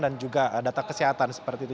dan juga data kesehatan seperti itu